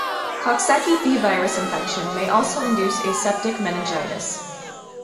Coxsackie B virus infection may also induce aseptic meningitis.